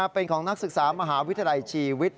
เป็นของนักศึกษามหาวิทยาลัยชีวิต